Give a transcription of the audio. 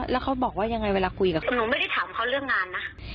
แล้วเขาบอกว่ายังไงเวลาคุยกับคุณหนูไม่ได้ถามเขาเรื่องงานนะ